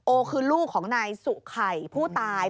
คือลูกของนายสุไข่ผู้ตาย